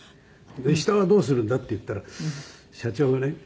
「下はどうするんだ？」って言ったら社長がね